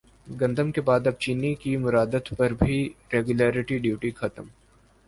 گندم کے بعد اب چینی کی درامد پر بھی ریگولیٹری ڈیوٹی ختم